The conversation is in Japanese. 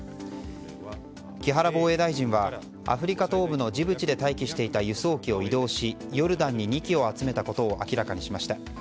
木原防衛大臣はアフリカ東部のジブチで待機していた輸送機を移動しヨルダンに２機を集めたことを明らかにしました。